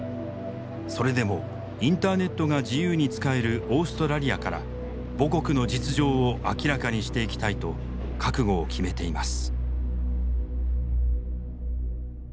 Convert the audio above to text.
それでもインターネットが自由に使えるオーストラリアから母国の実情を明らかにしていきたいと覚悟を決めています。